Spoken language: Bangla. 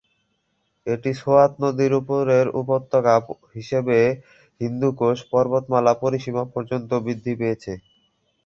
এটি সোয়াত নদীর উপরের উপত্যকা হিসেবে হিন্দুকুশ পর্বতমালা পরিসীমা পর্যন্ত বৃদ্ধি পেয়েছে।